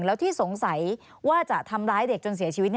แล้วที่สงสัยว่าจะทำร้ายเด็กจนเสียชีวิต